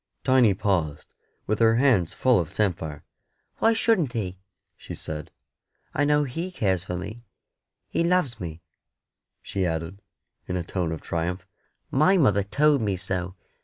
Tiny paused, with her hands full of samphire. "Why shouldn't He?" she said. "I know He cares for me. He loves me," she added, in a tone of triumph; "my mother told me so.